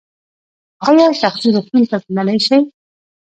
ایا شخصي روغتون ته تللی شئ؟